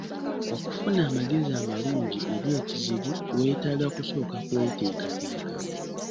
Okufuna amagezi amalungi eri ekizibu weetaaga kusooka kweteekateeka.